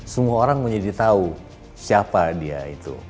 semua orang menjadi tahu siapa dia itu